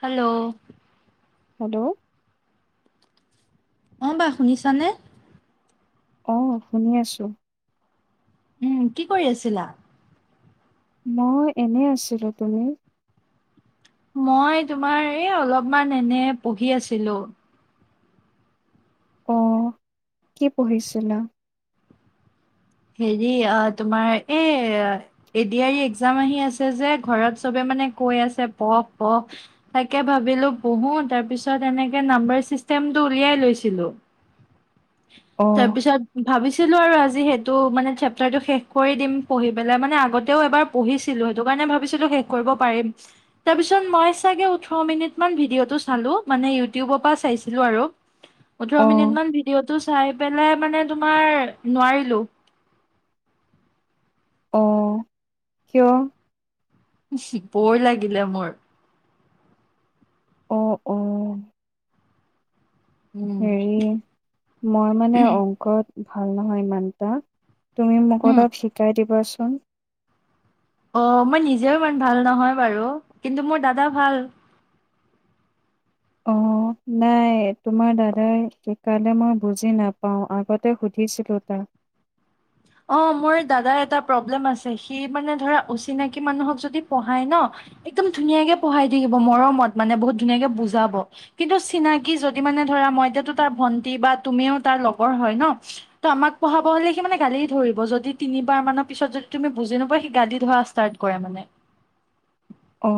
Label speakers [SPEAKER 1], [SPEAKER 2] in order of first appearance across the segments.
[SPEAKER 1] Hello
[SPEAKER 2] hello
[SPEAKER 1] অঁ! বা শুনিছানে?
[SPEAKER 2] অ শুনি আছো।
[SPEAKER 1] উম! কি কৰি আছিলা?
[SPEAKER 2] মই এনে আছিলো। তুমি?
[SPEAKER 1] মই তোমাৰ এই অলপমান এনে পঢ়ি আছিলো।
[SPEAKER 2] অ কি পঢ়িছিলা?
[SPEAKER 1] হেৰি অ তোমাৰ এ এডি আৰ ই একজাম আহি আছে যে, ঘৰত চবে মানে কৈ আছে প প। তাকে ভাবিলো পঢ়ো তাৰ পিছত এনেকে নাম্বাৰ চিষ্টেম টো উলিয়াই লৈছিলো
[SPEAKER 2] অ
[SPEAKER 1] তাৰপিছত ভাবিছিলো আৰু আজি সেইটো মানে চেপ্তাৰটো শেষ কৰি দিম পঢ়ি পেলাই মানে আগতেও এবাৰ পঢ়িছিলো সেইটো কাৰণে ভাবিছিলো শেষ কৰিব পাৰিম তাৰপিছত মই চাগে ওঠৰ মিনিটমান ভিডিঅ'টো চালো মানে ইউটিউবৰ পৰা চাইছিলো আৰু
[SPEAKER 2] অ
[SPEAKER 1] ওঠৰ মিনিট মান ভিডিঅ'টো চাই পেলাই মানে তোমাৰ নোৱাৰিলো
[SPEAKER 2] অ কিয়
[SPEAKER 1] বৰ লাগিলে মোৰ
[SPEAKER 2] অ অ
[SPEAKER 1] উম
[SPEAKER 2] হেৰি মই মানে অংকত ভাল নহয় সিমানটা তুমি মোক
[SPEAKER 1] হুম।
[SPEAKER 2] অলপ শিকাই দিবাচোন
[SPEAKER 1] অ মই নিজেও ইমান ভাল নহয় বাৰু কিন্তু মোৰ দাদা ভাল
[SPEAKER 2] অ নাই তোমাৰ দাদাই শিকালে মই বুজি নাপাওঁ আগতে সুধিছিলো তাক
[SPEAKER 1] অ মোৰ দাদাৰ এটা প্ৰব্লেম আছে সি মানে ধৰা অচিনাকি মানুহক যদি পঢ়াই ন একদম ধুনীয়াকে পঢ়াই থাকিব মৰমত মানে বহুত ধুনীয়াকে বুজাব কিন্তু চিনাকি যদি মানে ধৰা মই এতিয়াতো তাৰ ভন্টি বা তুমিও তাৰ লগৰ হয় ন ত আমাক পঢ়াব হলে সি মানে গালি দিয়ে ধৰিব যদি তিনিবাৰ মানৰ পিছত যদি তুমি বুজি নোপোৱা সি গাডি ধৰা ষ্টাৰ্ট কৰে মানে
[SPEAKER 2] অ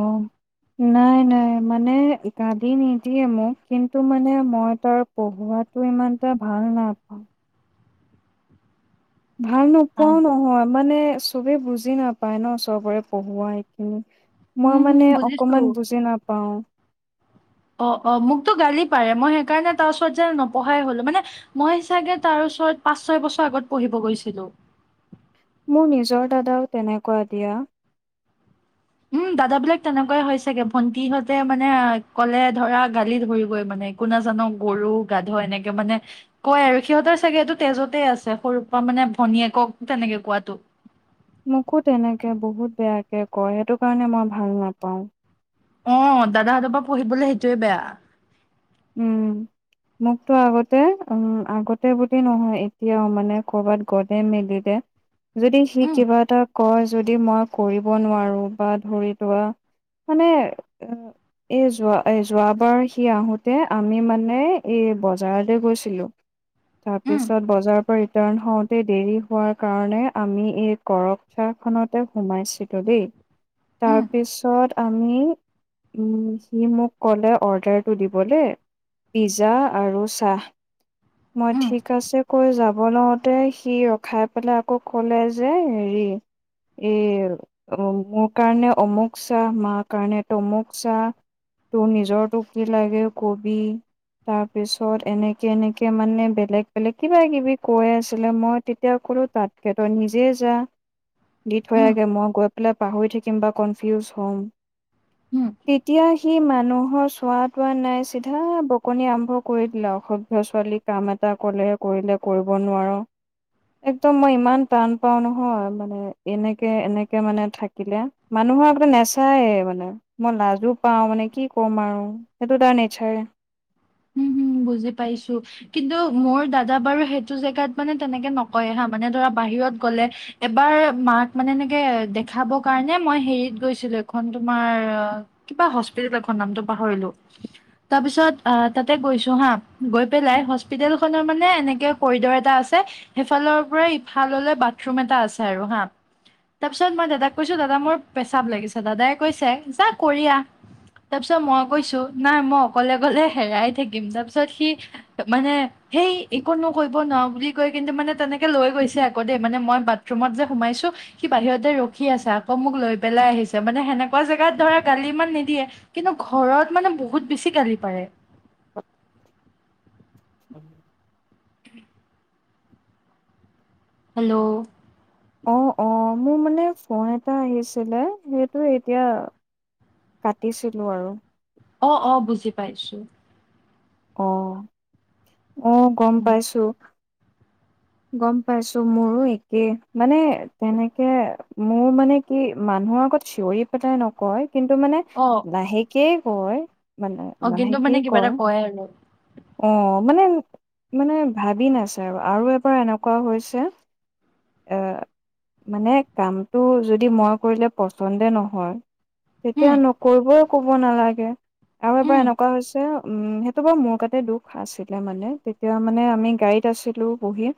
[SPEAKER 2] নাই নাই মানে গালি নিদিয়ে মোক কিন্তু মানে মই তাৰ পঢ়োৱাত ত ইমান এটা ভাল নাপাওঁ ভাল নোপোৱাও
[SPEAKER 1] উম
[SPEAKER 2] নহয় মানে চবেই বুজি নাপায় ন চবৰে পঢ়োৱা সেইখিনি মই
[SPEAKER 1] হুম
[SPEAKER 2] মানে
[SPEAKER 1] বুজিছো
[SPEAKER 2] অকমান বুজি নাপাও
[SPEAKER 1] অ অ মোকতো গালি পাৰে মই সেইকাৰণে তাৰ ওচৰত যে নপঢ়াই হ'লো মানে মই চাগে তাৰ ওচৰত পাঁচ ছয় বছৰ আগত পঢ়িব গৈছিলো
[SPEAKER 2] মোৰ নিজৰ দাদাও তেনেকুৱা দিয়া
[SPEAKER 1] উম দাদাবিলাক তেনেকুৱাই হৈ চাগে ভন্টিহঁতে মানে কলে ধৰা গালি ধৰিবই মানে একো নাজান গৰু গাধ এনেকে মানে কয় আৰু সিহঁতৰ চাগে এইটো তেজতেই আছে সৰুৰ পৰা মানে ভনীয়েকক তেনেকে কোৱাতো
[SPEAKER 2] মোকো তেনেকে বহুত বেয়াকে কয় সেইটো কাৰণে মই ভাল নাপাওঁ
[SPEAKER 1] অ দাদাহঁতৰ পৰা পঢ়িবলৈ সেইটোয়ে বেয়া
[SPEAKER 2] উম মোকতো আগতে উম আগতে বুলি নহয় এতিয়াও মানে কৰবাত গলে মেলিলে যদি সি
[SPEAKER 1] উম
[SPEAKER 2] কিবা এটা কয় যদি মই কৰিব নোৱাৰো বা ধৰি লোৱা মানে এ যোৱা এ যোৱাবাৰ সি আহো তে আমি মানে এই বজাৰলৈ গৈছিলো
[SPEAKER 1] উম
[SPEAKER 2] তাৰপিছত বজাৰৰ পৰা ৰিটাৰ্ণ হওঁতে দেৰি হোৱাৰ কাৰণে আমি এই গৰম গাঁও খনতে সোমাইছিলো দেই
[SPEAKER 1] উম
[SPEAKER 2] তাৰপিছত আমি উম সি মোক ক'লে অৰ্ডাৰটো দিব দিবলে পিজ্জা আৰু চাহ মই
[SPEAKER 1] উম
[SPEAKER 2] ঠিক আছে কৈ যাব লওঁতে সি ৰখাই পেলাই আকৌ কলে যে হেৰি এ মোৰ কাৰণে অমুক চাহ মাৰ কাৰণে তমুক চাহ তোৰ নিজৰটো কি লাগে কবি তাৰপিছত এনেকে এনেকে মানে বেলেগ বেলেগ কিবা কিবি কৈ আছিলে মই তে তিয়া ক'লো তাতকে নিজে যা দি থৈ
[SPEAKER 1] উম
[SPEAKER 2] আগে মই গৈ পেলাই পাহই থাকিম বা কনফিউজ হ'ম
[SPEAKER 1] উম
[SPEAKER 2] তেতিয়া সি মানুহৰ চোৱাত কুৱা নাই চিধা বকনি আৰম্ভ কৰি দিলে আউ অসভ্য ছোৱালী কাম এটা কলে কৰিলে কৰিব নোৱাৰ একদম মই ইমান টান পাও নহয় মানে এনেকে এনেকে মানে থাকিলে মানুহৰ আগত নেচায়ে মানে মই লাজো পাও মানে কি কম আউ সেইটো তাৰ নে চাৰে
[SPEAKER 1] উম, হুম, বুজি পাইছো কিন্তু মোৰ দাদা বাৰু সেইটো জেগাত মানে তেনেকে নকয় হা মানে ধৰা বাহিৰত গ'লে এবাৰ মাক মানে এনেকে দেখাব কাৰণে মই হেৰিত গৈছিলো এখন তোমাৰ কিবা হস্পিতেল এখন নামতটো পাহৰিলো তাৰ পিছত আ তাতে গৈছ ত হা গৈ পেলাই হস্পিতেল খনৰ মানে এনেকে কৰিডৰ এটা আছে সেইফালৰ পৰা ইফাললে বাথৰুম এটা আছে আৰু হা তাৰ পিছত মই দাদাক কৈছো দাদা মোৰ পেচাব লাগিছে দাদাই কৈছে যা কৰি আ তাৰ পিছত মই কৈছো নাই মই অকলে অকলে হেৰাই থাকিম তাৰপিছত সি মানে সেই একো নকইব ন বুলি কৈ কিন্তু মানে তেনেকে লৈ গৈছে আকৌ দেই মানে মই বাথৰুমত যে সোমাইছো সি বাহিৰতে ৰখি আছে আকৌ মোক লৈ পেলাই আহিছে মানে সেনেকুৱা জেগাত ধৰা গালি ইমান নিদিয়ে কিন্তু ঘৰত মানে বহুত বেছি গালি পাৰে
[SPEAKER 2] [unintelligible]
[SPEAKER 1] [unintelligible] হেল্ল'
[SPEAKER 2] অ অ মোৰ মানে ফোন এটা আহিছিলে সেইটো এতিয়া কাটিছিলো আৰু
[SPEAKER 1] অ অ বুজি পাইছো
[SPEAKER 2] অ অ গম পাইছো গম পাইছো মোৰো একেই মানে তেনেকে মোৰ মানে কি মানুহৰ আগত চিঞৰি পেলাই নকয় কিন্তু মানে
[SPEAKER 1] অ
[SPEAKER 2] লাহেকেই কয় মানে
[SPEAKER 1] অ কিন্তু মানে
[SPEAKER 2] লাহেকেই
[SPEAKER 1] কিবা এটা
[SPEAKER 2] কয়
[SPEAKER 1] আৰু
[SPEAKER 2] অ মানে মানে ভাবি নাচাই আৰু আ পৰা এনেকুৱা হৈছে এ মানে কামটো যদি মই কৰিলে পচন্দে নহয় তেতিয়া
[SPEAKER 1] উম
[SPEAKER 2] নকৰিবই কব নালাগে আৰু এবাৰ
[SPEAKER 1] উম
[SPEAKER 2] এনেকুৱা হৈছে উম সেতু বাউ মোৰ গাতে দুখ আছিলে মানে তেতিয়া মানে আমি গাড়ীত আছিলো বহি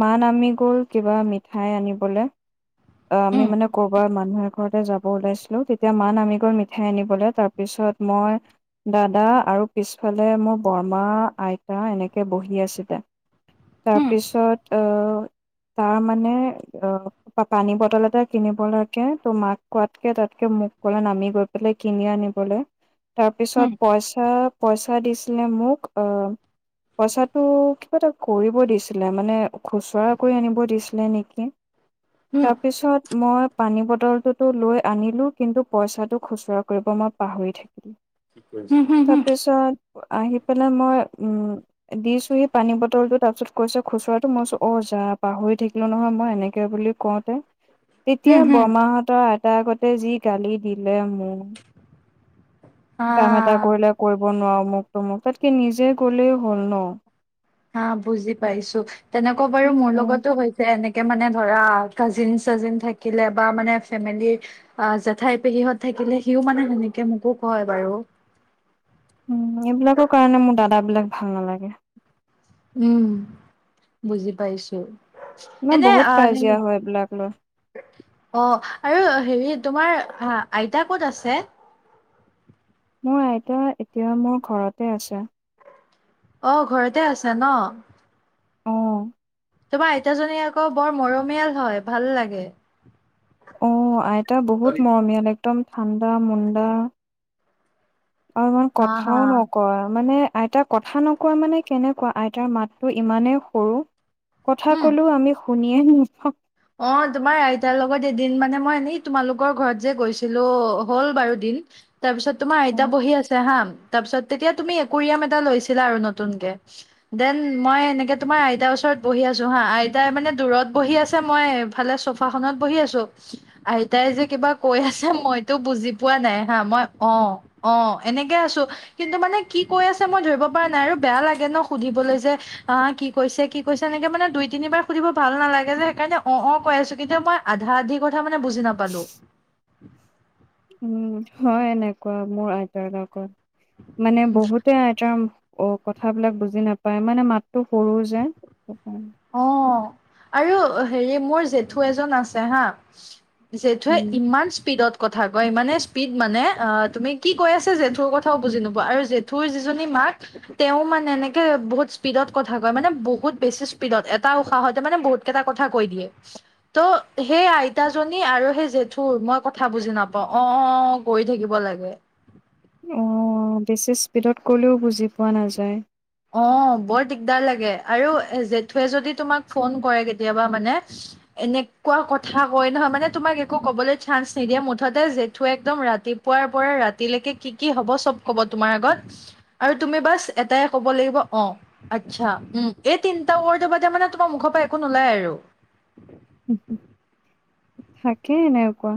[SPEAKER 2] মা নামি গ'ল কিবা মিঠাই আনিবলে আ আমি
[SPEAKER 1] উম
[SPEAKER 2] মানে কৰ'বাৰ মানুহৰ এঘৰলে যাব ওলাইছিলো তেতিয়া মা নামি গৈ মিঠাই আনিবলে তাৰ পিছত মই দাদা আৰু পিছফালে মোৰ বৰমা আইতা এনেকে বহি আছিলে
[SPEAKER 1] উম
[SPEAKER 2] পিছত আহ তাৰ মানে আহ বা পানী বটল এটা কিনিবলৈকে তোৰ মাক কোৱাতকে তাতকে মোক কলে নামি গৈ পেলাই কিনি আনিবলে তাৰপিছত
[SPEAKER 1] উম
[SPEAKER 2] পইচা পইচা দিছিলে মোক অ পইচাটো কিবা এটা কৰিব দিছ ছিলে মানে খুচুৰা কৰি আনিব দিছিলে নেকি
[SPEAKER 1] উম উম
[SPEAKER 2] তাৰপিছত মই পানী বটলটোত তো লৈ আনিলো কিন্তু পইচাটো খুচুৰা কৰিব মই পাহৰি থাকিলো
[SPEAKER 1] উম উম
[SPEAKER 2] তাৰপিছত আহি পেলাই মই উম দিছো সি পানী বটলটো তাৰ পিছত- কৈছে খুচুৰাটো মই অ যা পাহৰি থাকিলো নহয় মই এনেকে বুলি কওঁতে- তেতিয়া
[SPEAKER 1] উম উম
[SPEAKER 2] বৰৰ্মাহঁতৰ আইটাৰ আগতে যি গালি দিলে মোৰ কাম এটা
[SPEAKER 1] আ
[SPEAKER 2] কৰিলে কৰিব নোৱাৰো মোক তো মোক তাতকে নিজে গলেই হ'ল ন।
[SPEAKER 1] হা বুজি পাইছো তেনেকুৱা বাৰু মোৰ
[SPEAKER 2] মানে
[SPEAKER 1] লগতো হৈছে। এনেকে মানে ধৰা কাজিন চাজিন থাকিলে বা মানে ফেমিলি অ জেঠাই পেহীহত থাকিলে সিও মানে সেনেকে মোকো কয় বাৰু
[SPEAKER 2] উ এইবিলাকৰ কাৰণে মোৰ দাদাবলাক ভাল নালাগে।
[SPEAKER 1] উম বুজি পাইছো।
[SPEAKER 2] ম
[SPEAKER 1] এনে
[SPEAKER 2] বহুত
[SPEAKER 1] অ হেৰি
[SPEAKER 2] কাজিয়া হয় এইবিলাক লৈ।
[SPEAKER 1] অ আৰু হেৰি তোমাৰ আইতা ক'ত আছে।
[SPEAKER 2] মোৰ আইতা, এতিয়া মোৰ ঘৰতে আছে।
[SPEAKER 1] অঁ ঘৰতে আছে ন।
[SPEAKER 2] অঁ
[SPEAKER 1] তোমাৰ আইতাজনী আকৌ বৰ মৰমিয়াল হয় ভাল লাগে।
[SPEAKER 2] অ আইতা বহুত মৰমীয়াল একদম ঠাণ্ডা মুণ্ডা- আৰু ইমান
[SPEAKER 1] হা
[SPEAKER 2] কথাও
[SPEAKER 1] হা
[SPEAKER 2] নকয় মানে আইতাক- কথা নকোৱা মানে কেনেকুৱা আইতাৰ মাতটো ইমানেই সৰু কথা।
[SPEAKER 1] উম
[SPEAKER 2] কলেও আমি শুনিয়ে নেপাও
[SPEAKER 1] অ তোমাৰ আইতাৰ লগত এদিন মানে মই এনেই তোমালোকৰ ঘৰত যে গৈছিলো হ'ল বাৰু দিন তাৰপিছত তোমাৰ আইতা বহি আছে হা তাৰপিছত তেতিয়া তুমি একুৰিয়াম এটা লৈছিলা আৰু নতুনকে দেন মই এনেকে তোমাৰ আইতাৰ ওচৰত বহি আছো হা আইতাই মানে দূৰত বহি আছে। ছে মইফালে চোফা খনত বহি আছো। আইতাই যে কিবা কৈ আছে মইতো বুজি পোৱা নাই। হা মই অ অ এনেকে আছো কিন্তু মানে কি কৈ আছে মই ধৰিব পৰা নাই আৰু বেয়া লাগে ন সুধিবলৈ যে- অ কি কৈছে কি কৈছে এনেকে মানে দুই তিনিবাৰ সুধিব ভাল নালাগে যে। সেইকাৰণে অ অ কৈ আছো কিতিয়া মই আধা আধি কথা মানে বুজি নাপালো।
[SPEAKER 2] চিক- উম হয় এনেকুৱা মোৰ আইতাৰ লগত মানে বহুতে আইতাৰ- অ কথাবিলাক বুজি নাপায় মানে মাতো সৰু যে সেইকাৰণে
[SPEAKER 1] অ আৰু হেৰি মোৰ জেঠু, এজন আছে হা জঠুৱে
[SPEAKER 2] উম।
[SPEAKER 1] ইমান স্পীডত কথা কোৱা ইমানেই স্পীড মানে অ তুমি কি কৈ আছ জেঠুৰ কথাও বুজি নবোৱা। আৰু জেঠুৰ যিজনী মাক তেওঁ মানে এনেকে বহুত স্পীডত কথা কয় মানে বহুত বেছি। স্পীডত এটা উশাহতে মানে বহুত কেইটা কথা কৈ দিয়ে। ত' সেই আইতাজী, আৰু সেই জেঠুৰ, মই কথা বুজি নাপাও অ কৰি থাকিব লাগে।
[SPEAKER 2] অ বেছি স্পীডত ক'লেও বুজি পোৱা নাযায়।
[SPEAKER 1] অ বৰ দিগদাৰ লাগে আৰু জেঠুৱে যদি তোমাক ফোন কৰে কেতিয়াবা মানে এনেকুৱা কথা কয় নহয় মানে তোমাক একো কবলৈ চান্স নিদিয়ে মুঠতে জেঠুৱে একদম ৰাতি পুৱোৱাৰ পৰা ৰাতিলৈকে কি কি হ'ব চব ক'ব তোমাৰ আগত আৰু তুমি বাছ এটাই কব লাগিব অ আচ্ছা উম এই তিনিটা ওৰ ব মানে তোমাৰ মুখৰ পৰা একো নোলাই আৰু
[SPEAKER 2] উম [unintelligible] থাকে এনেকুৱা।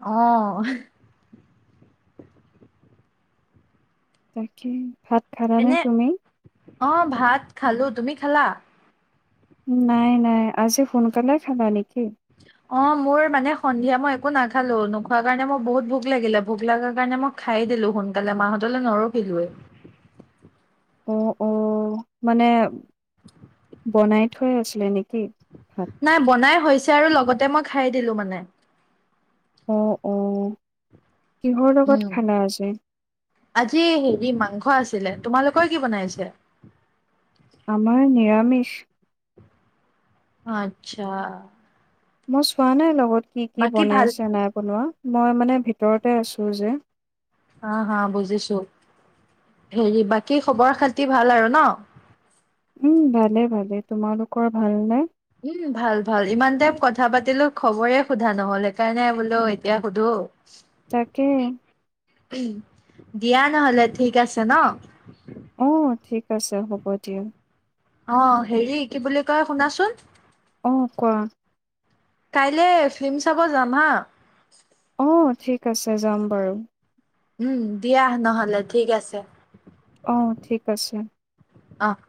[SPEAKER 1] অঁ [unintelligible]
[SPEAKER 2] তাকে! ভাত খালানে তুমি? [unintelligible]
[SPEAKER 1] অঁ ভাত খালোঁ। তুমি খালা? [unintelligible]
[SPEAKER 2] নাই-নাই। আজি সোনকালে খালা নেকি? [unintelligible]
[SPEAKER 1] অঁ মোৰ মানে সন্ধিয়া মই একো নাখালো, নোখোৱা কাৰণে মোৰ বহুত ভোক লাগিলে, ভোক লগা কাৰণে মই [unintelligible] খাই দিলো সোনকালে মাহঁতলে নৰখিলোয়েই। [unintelligible]
[SPEAKER 2] অঁ-অঁ! মানে [unintelligible]
[SPEAKER 1] [unintelligible]
[SPEAKER 2] বনাই থোৱাই আছিলে নেকি? [inaudible]
[SPEAKER 1] নাই বনাই হৈছে আৰু লগতে মই খাই দিলোঁ মানে। [unintelligible]
[SPEAKER 2] অ-অ! কিহৰ লগত
[SPEAKER 1] উম।
[SPEAKER 2] খালা আজি? [unintelligible]
[SPEAKER 1] আজি হেৰি মাংস আছিলে। তোমালোকৰ কি বনাইছে? [unintelligible]
[SPEAKER 2] আমাৰ নিৰামিষ। [inaudible]
[SPEAKER 1] আত্ছা [inaudible]
[SPEAKER 2] মই চোৱা নাই লগত কি কি
[SPEAKER 1] বাকী ভাল,
[SPEAKER 2] বনাইছে নাই বনোৱা? মই মানে ভিতৰতে আছোঁ যে। [unintelligible]
[SPEAKER 1] হা-হা! বুজিছোঁ। হেৰি বাকী খবৰ খাতি ভাল আৰু ন'? [unintelligible]
[SPEAKER 2] উম! ভালে-ভালে। তোমালোকৰ ভাল নে? [unintelligible]
[SPEAKER 1] উম! ভাল-ভাল, ইমান টাইম কথা পাতিলো খবৰে সোধা নহল সেইকাৰণে বোলো এতিয়া সুধো। [unintelligible]
[SPEAKER 2] তাকে। [inaudible]
[SPEAKER 1] উম! দিয়া নহলে ঠিক আছে ন'? [inaudible]
[SPEAKER 2] অঁ ঠিক আছে হ'ব দিয়া। [unintelligible]
[SPEAKER 1] অঁ! হেৰি কি বুলি কয় শুনা চোন? [unintelligible]
[SPEAKER 2] অঁ! কোৱা? [unintelligible]
[SPEAKER 1] কাইলে ফিল্ম চাব যাম হা? [unintelligible]
[SPEAKER 2] অঁ! ঠিক আছে যাম বাৰু। [unintelligible]
[SPEAKER 1] উম! দিয়া নহলে ঠিক আছে। [unintelligible]
[SPEAKER 2] অঁ! ঠিক আছে। [inaudible]
[SPEAKER 1] অঁ [unintelligible]